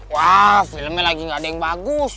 wah filmnya lagi gak ada yang bagus